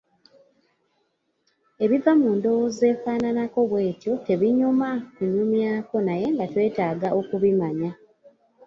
Ebiva mu ndowooza efaananako bw’etyo tebinyuma kunyumyako naye nga twetaaga okubimanya,